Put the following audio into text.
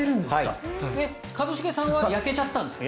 一茂さんは焼けちゃったんですか？